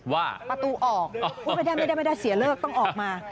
ว่าประตูออกไม่ได้เสียเลิกต้องออกมา